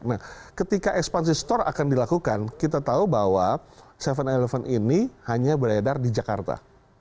nah ketika ekspansi store akan dilakukan kita tahu bahwa tujuh eleven ini hanya beredar di jakarta